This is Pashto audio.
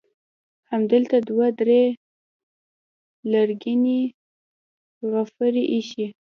همدلته دوه درې لرګینې غرفې ایښي.